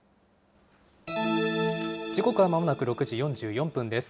時刻はまもなく６時４４分です。